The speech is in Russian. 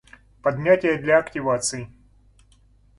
Поднятие для активации